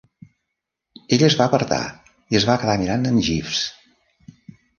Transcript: Ella es va apartar i es va quedar mirant en Jeeves.